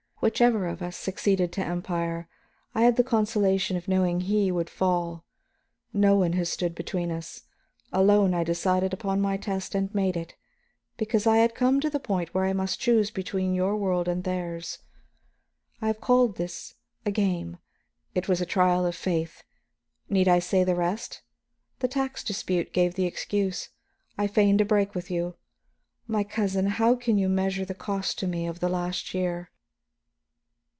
Whichever of us succeeded to Empire, I had the consolation of knowing he would fall. No one has stood between us; alone I decided upon my test and made it, because I had come to the point where I must choose between your world and theirs. I have called this a game it was the trial of a faith. Need I say the rest? The tax dispute gave the excuse, I feigned a break with you. My cousin, now can you measure the cost to me of the last year?"